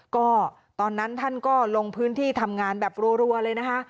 ก็ตอนนั้นท่านก็ลงพื้นที่ทำงานแบบรัวเลยนะคะ